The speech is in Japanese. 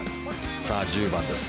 さあ、１０番です。